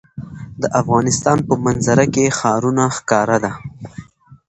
د افغانستان په منظره کې ښارونه ښکاره ده.